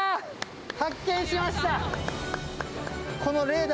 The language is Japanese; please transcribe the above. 発見しました。